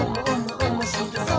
おもしろそう！」